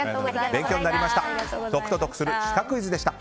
勉強になりました。